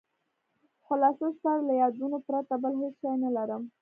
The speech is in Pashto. خلاصه ستا له یادونو پرته بل هېڅ شی نه لرم.